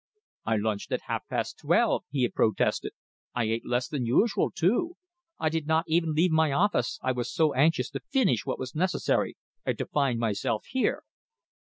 "I lunched at half past twelve," he protested. "I ate less than usual, too. I did not even leave my office, I was so anxious to finish what was necessary and to find myself here."